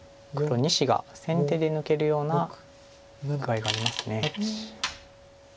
２子が先手で抜けるような具合があります。